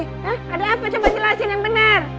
hah ada apa coba jelasin yang benar